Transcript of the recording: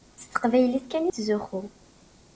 S teqbaylit kan i tettzuxxu.